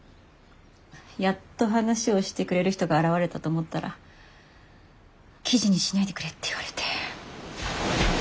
やっと話をしてくれる人が現れたと思ったら記事にしないでくれって言われて。